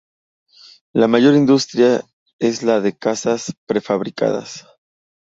La mayor industria es la de casas prefabricadas.